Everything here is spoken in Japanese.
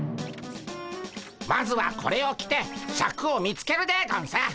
まずはこれを着てシャクを見つけるでゴンス。